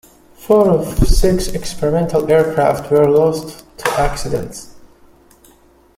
Four of the six experimental aircraft were lost to accidents.